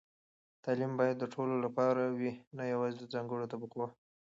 تعلیم باید د ټولو لپاره وي، نه یوازې د ځانګړو طبقو.